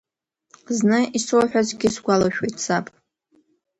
Зны исоуҳәазгьы сгәалашәоит, саб…